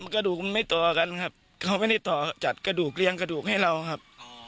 กระดูกมันไม่ต่อกันครับเขาไม่ได้ต่อจัดกระดูกเรียงกระดูกให้เราครับ